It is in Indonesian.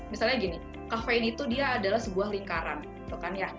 misalnya gini kafein itu dia adalah sebuah lingkaran